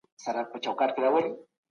د کتاب پر پوښ یوه ونه ده.